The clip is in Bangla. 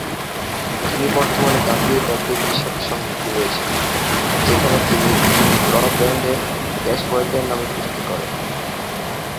তিনি বর্তমানে ডাব্লিউডাব্লিউইর সাথে সংযুক্ত রয়েছেন, যেখানে তিনি র ব্র্যান্ডে ড্যাশ ওয়াইল্ডার নামে কুস্তি করেন।